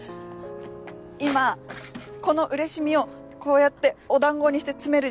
今このうれしみをこうやってお団子にして詰めるでしょ？